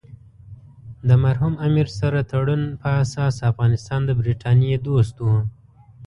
د مرحوم امیر سره تړون په اساس افغانستان د برټانیې دوست وو.